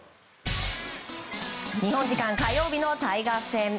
日本時間火曜日のタイガース戦。